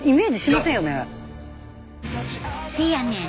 せやねん。